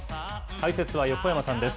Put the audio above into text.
解説は横山さんです。